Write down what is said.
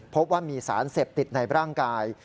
พบว่ามีสารเสพติดในร่างกาย